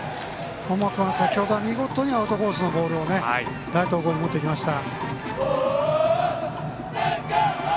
門間君は先ほど、見事にアウトコースのボールをライト方向に持っていきました。